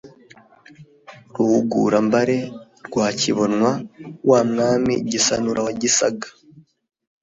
Ruhugura-mbare* rwa Kibonwa, Wa Mwami Gisanura na Gisaga